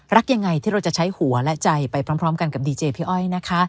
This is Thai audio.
รักยังไงที่เราจะใช้หัวและใจไปพร้อมกันกับดีเจพี่อ้อยนะคะ